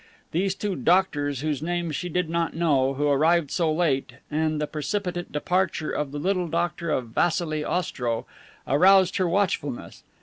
These two "doctors" whose names she did not know, who arrived so late, and the precipitate departure of the little doctor of Vassili Ostrow aroused her watchfulness.